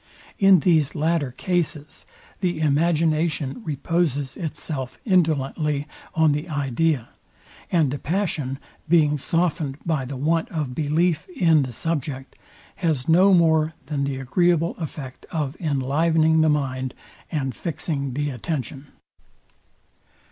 In these latter cases the imagination reposes itself indolently on the idea; and the passion, being softened by the want of belief in the subject, has no more than the agreeable effect of enlivening the mind, and fixing the attention.